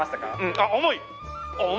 あっ重いね！